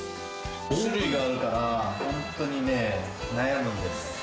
種類があるから、本当にね、悩むんです。